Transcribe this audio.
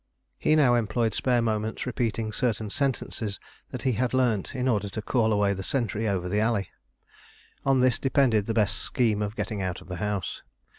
He now employed spare moments repeating certain sentences that he had learnt in order to call away the sentry over the alley: on this depended the best scheme of getting out of the house.